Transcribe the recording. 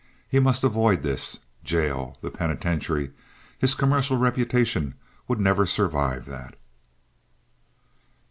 He must avoid this! Jail! The penitentiary! His commercial reputation would never survive that.